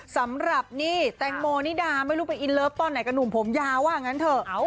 สำหรับนี่แตงโมนิดาไม่รู้ไปอินเลิฟตอนไหนกับหนุ่มผมยาวว่างั้นเถอะ